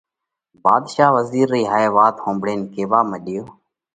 ڀاڌشا وزِير رئي هائي وات ۿومڀۯينَ ڪيوا مڏيو: